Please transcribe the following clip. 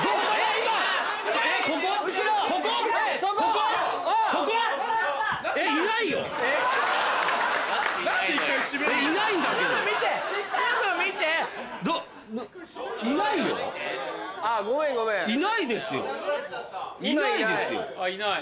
今いない。